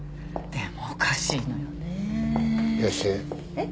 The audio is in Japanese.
えっ？